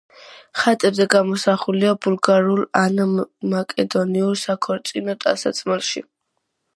ხატებზე გამოსახულია ბულგარულ ან მაკედონურ საქორწინო ტანსაცმელში.